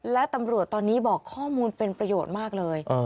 และตำรวจตอนนี้บอกข้อมูลเป็นประโยชน์มากเลย